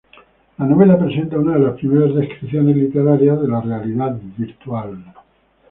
La novela presenta una de las primeras descripciones literarias de la realidad virtual.